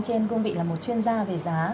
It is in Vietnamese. trên công vị là một chuyên gia về giá